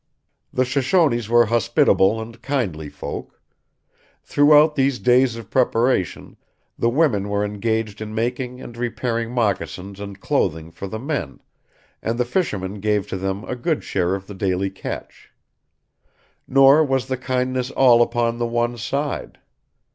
The Shoshones were hospitable and kindly folk. Throughout these days of preparation, the women were engaged in making and repairing moccasins and clothing for the men, and the fishermen gave to them a good share of the daily catch. Nor was the kindness all upon the one side.